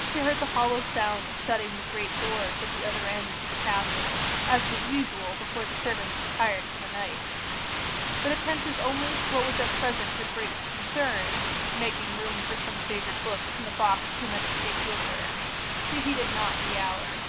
She heard the hollow sound of shutting the great doors at the other end of the castle, as was usual before the servants retired for the night: but attentive only to what was at present her greatest concern, (making room for some favourite books in the box she meant to take with her,) she heeded not the hour.